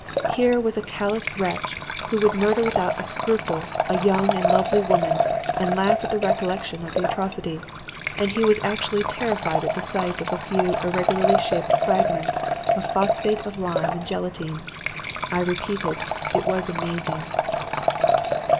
Here was a callous wretch who would murder without a scruple a young and lovely woman and laugh at the recollection of the atrocity. And he was actually terrified at the sight of a few irregularly shaped fragments of phosphate of lime and gelatine. I repeat, it was amazing.